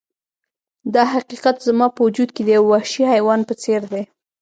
دا حقیقت زما په وجود کې د یو وحشي حیوان په څیر دی